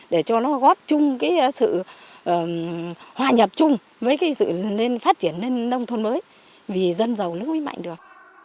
để cho nó góp chung cái sự hòa nhập chung với cái sự nên phát triển lên nông thôn mới vì dân giàu nó mới mạnh được